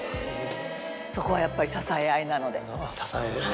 そこはやっぱり支え合いなのではい。